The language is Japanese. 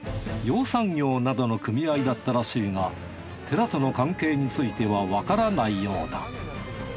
養蚕業などの組合だったらしいが寺との関係についてはわからないようだ。